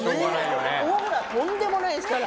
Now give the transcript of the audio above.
オーラとんでもないですから。